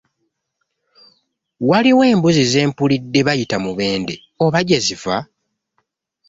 Waliwo embuzi ze mpulidde bayita Mubende oba gye ziva?